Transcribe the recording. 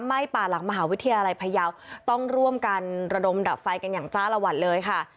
ป่าหลังมหาวิทยาลัยพยาวต้องร่วมกันระดมดับไฟกันอย่างจ้าละวันเลยค่ะ